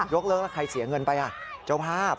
เลิกแล้วใครเสียเงินไปเจ้าภาพ